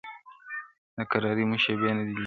د کراري مو شېبې نه دي لیدلي-